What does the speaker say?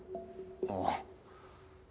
ああ。